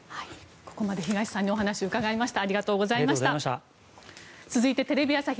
ここまで東さんにお話を伺いました。